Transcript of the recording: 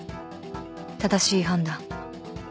正しい判断